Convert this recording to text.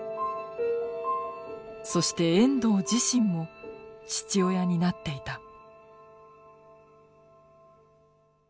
そして遠藤自身も父親になっていた。